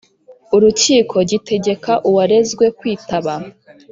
Urukiko gitegeka uwarezwe kwitaba